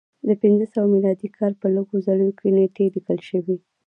د پنځه سوه میلادي کال کې په لږو څلیو کې نېټې لیکل شوې